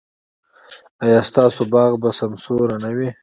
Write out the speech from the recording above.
ایا ستاسو باغ به سمسور نه وي؟